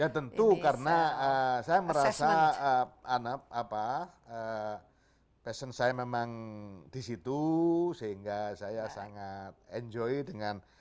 tentu karena sayang merasa anak apa besok saya memang disitu sehingga saya sangat enjoy dengan